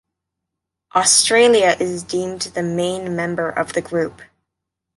Australia is deemed the main member of the group.